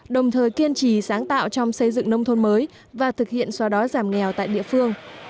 đồng thời kiên trì sáng tạo trong xây dựng nông thôn mới và thực hiện xóa đói giảm nghèo tại địa phương